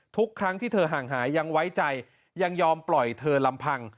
ทุกครั้งที่เธอห่างหายยังไว้ใจยังยอมปล่อยเธอลำพัง